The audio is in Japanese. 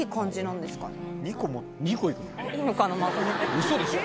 うそでしょ？